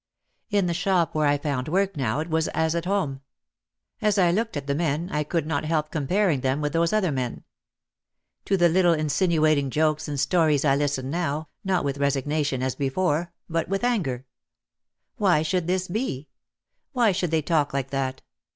In the shop where I found work now it was as at home. As I looked at the men I could not help compar ing them with those other men. To the little insinuating jokes and stories I listened now, not with resignation as before but with anger. "Why should this be? Why should they talk like that?"